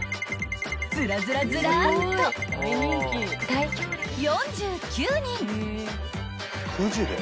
［ずらずらずらっと４９人］